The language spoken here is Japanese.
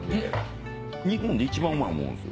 日本で一番うまい思うんすよ。